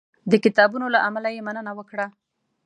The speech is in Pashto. د کتابونو له امله یې مننه وکړه.